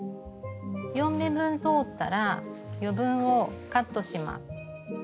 ４目分通ったら余分をカットします。